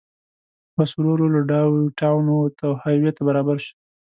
بس ورو ورو له ډاون ټاون ووت او های وې ته برابر شو.